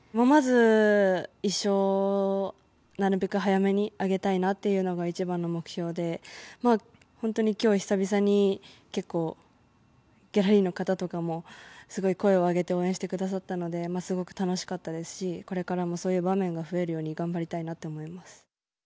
まず１勝をなるべく早めに挙げたいなというのが一番の目標で今日久々にギャラリーの方とかも声を上げて応援してくださったのですごく楽しかったですしこれからもそういう場面が増えるように頑張りたいと思います。